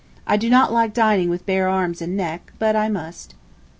I do not like dining with bare arms and neck, but I must.